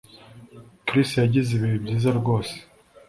Chris yagize ibihe byiza rwose